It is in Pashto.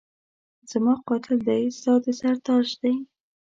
زما قاتل دی ستا د سر تاج دی